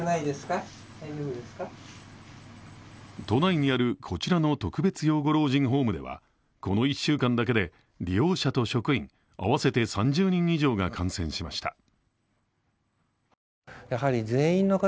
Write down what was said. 都内にある、こちらの特別養護老人ホームではこの１週間だけで利用者と職員合わせて３０人以上が感染しました。